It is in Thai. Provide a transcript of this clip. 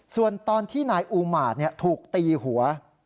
ส่วนตอนที่นายอูมาตถูกตีหัว